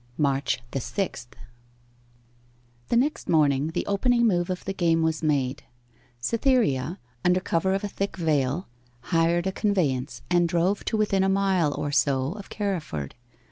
MARCH THE SIXTH The next morning the opening move of the game was made. Cytherea, under cover of a thick veil, hired a conveyance and drove to within a mile or so of Carriford.